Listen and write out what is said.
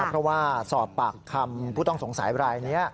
เพราะว่าสอบปากคำพูดต้องสงสัยอะไรอันนี้